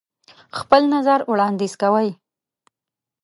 خپل نظر وړاندیز کوئ.